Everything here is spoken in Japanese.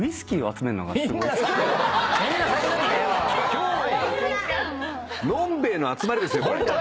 今日は飲んべえの集まりですよ。